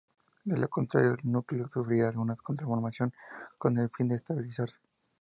De lo contrario el núcleo sufrirá alguna transformación con el fin de estabilizarse.